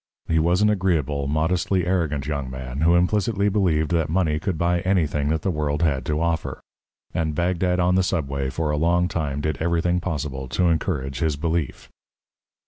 He was an agreeable, modestly arrogant young man, who implicitly believed that money could buy anything that the world had to offer. And Bagdad on the Subway for a long time did everything possible to encourage his belief.